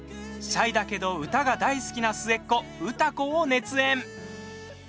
シャイだけど歌が大好きな末っ子歌子を熱演。